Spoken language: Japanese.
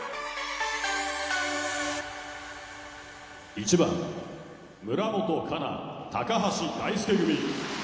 「１番村元哉中橋大輔組日本」。